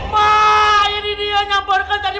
ma ini dia nyamperkan tadi